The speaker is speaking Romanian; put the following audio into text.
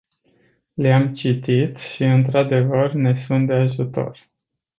Le-am citit și, într-adevăr, ne sunt de ajutor.